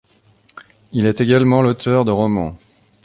Il est également l'auteur de romans.